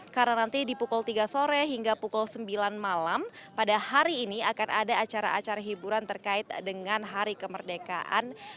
karena nanti di pukul tiga sore hingga pukul sembilan malam pada hari ini akan ada acara acara hiburan terkait dengan hari kemerdekaan